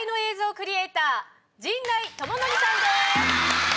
クリエイター陣内智則さんです。